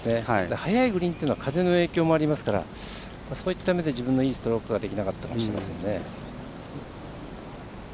速いグリーンというのは風の影響もありますからそういった意味でいいストロークができなかった。